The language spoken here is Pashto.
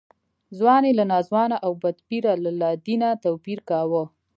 ځوان یې له ناځوانه او بدپیره له لادینه توپیر کاوه.